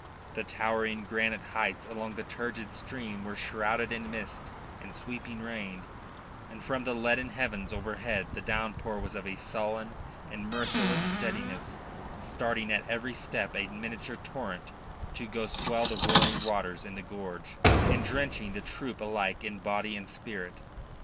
The towering granite heights across the turgid stream were shrouded in mist and sweeping rain, and from the leaden heavens overhead the downpour was of a sullen and merciless steadiness, starting at every step a miniature torrent to go swell the roaring waters in the gorge, and drenching the troop alike in body and in spirit.